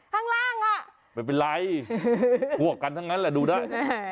ข้างล่างอ่ะไม่เป็นไรพวกกันทั้งนั้นแหละดูได้